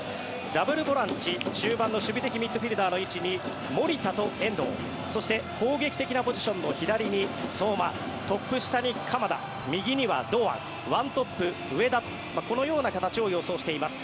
ダブルボランチ、中盤の守備的ミッドフィールダーの位置に守田と遠藤そして攻撃的なポジションの左に相馬トップ下に鎌田右には堂安１トップ、上田とこのような形を予想しています。